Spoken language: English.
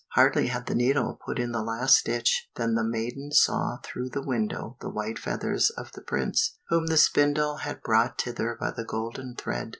Hardly had the needle put in the last stitch than the maiden saw through the window the white feathers of the prince, whom the spindle had brought thither by the golden thread.